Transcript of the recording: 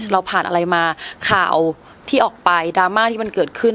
เราผ่านอะไรมาข่าวที่ออกไปดราม่าที่มันเกิดขึ้น